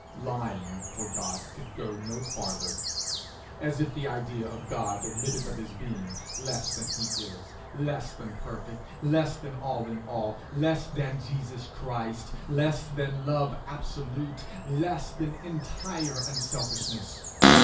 Lying for God could go no farther. As if the idea of God admitted of his being less than he is, less than perfect, less than all in all, less than Jesus Christ! less than Love absolute, less than entire unselfishness!